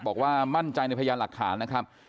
บอกว่ามั่นใจในพยานหลักฐานนะครับ